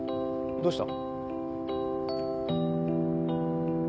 どうした？